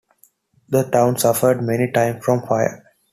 The town suffered many times from fire.